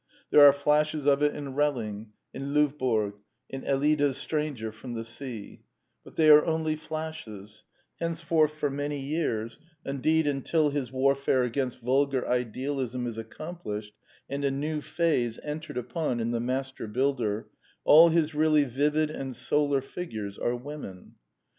There are flashes of it in Relling, in Lovborg, in EUida's stranger from the sea ; but they are only flashes: henceforth for many years, indeed until his warfare against vulgar idealism is accom plished and a new phase entered upon in The Master Builder, all his really vivid and solar figures are women.